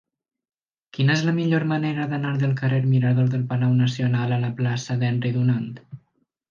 Quina és la millor manera d'anar del carrer Mirador del Palau Nacional a la plaça d'Henry Dunant?